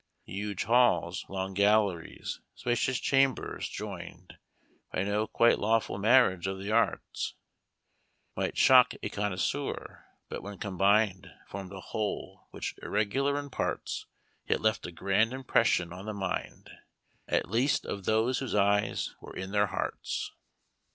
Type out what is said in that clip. "Huge halls, long galleries, spacious chambers, joined By no quite lawful marriage of the arts, Might shock a connoisseur; but when combined Formed a whole, which, irregular in parts, Yet left a grand impression on the mind, At least of those whose eyes were in their hearts."